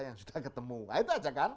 yang sudah ketemu nah itu aja kan